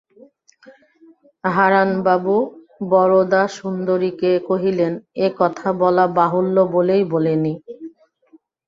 হারানবাবু বরদাসুন্দরীকে কহিলেন, এ কথা বলা বাহুল্য বলেই বলি নি।